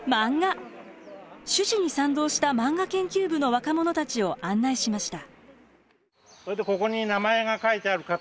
趣旨に賛同したマンガ研究部の若者たちを案内しました。